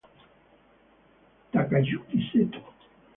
Takayuki Seto